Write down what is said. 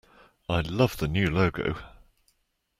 I love the new logo!